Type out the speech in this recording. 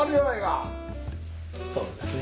そうですね。